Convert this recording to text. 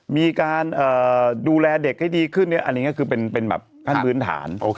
มีการดูแลเด็กให้ดีขึ้นอันนี้คือเป็นแบบขั้นพื้นฐาน